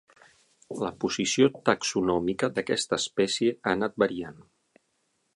La posició taxonòmica d'aquesta espècie ha anat variant.